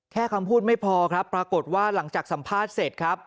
คำพูดไม่พอครับปรากฏว่าหลังจากสัมภาษณ์เสร็จครับ